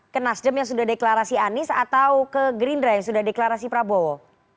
ke nasdem yang sudah deklarasi anies atau ke gerindra yang sudah deklarasi prabowo